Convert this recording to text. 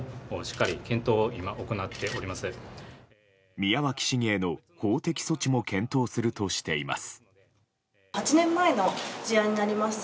宮脇市議への法的措置も検討するとしています。